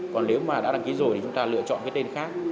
còn nếu mà đã đăng ký rồi thì chúng ta lựa chọn cái tên khác